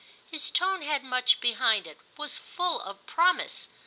His tone had much behind it—was full of promise.